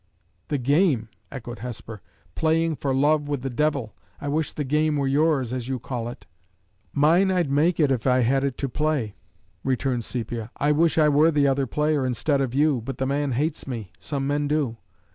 "The game!" echoed Hesper. " Playing for love with the devil! I wish the game were yours, as you call it!" "Mine I'd make it, if I had it to play," returned Sepia. "I wish I were the other player instead of you, but the man hates me. Some men do.